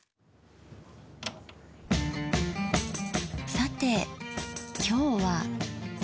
さて今日は。